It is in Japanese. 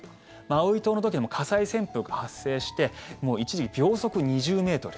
マウイ島の時にも火災旋風が発生して一時、秒速２０ｍ。